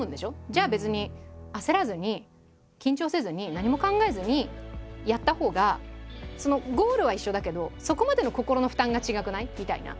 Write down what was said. じゃあ別に焦らずに緊張せずに何も考えずにやったほうがゴールは一緒だけどそこまでの心の負担が違くない？みたいな。